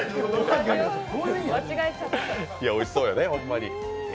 おいしそうやね、ホンマに。